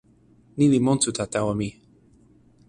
ni li monsuta tawa mi.